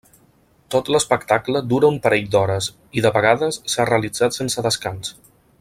Tot l'espectacle dura un parell d'hores i de vegades s'ha realitzat sense descans.